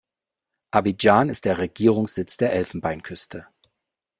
Abidjan ist der Regierungssitz der Elfenbeinküste.